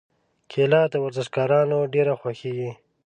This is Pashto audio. کېله د ورزشکارانو ډېره خوښېږي.